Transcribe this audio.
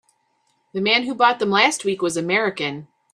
The man who bought them last week was American.